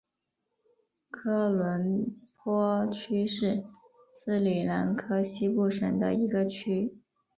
科伦坡区是斯里兰卡西部省的一个区。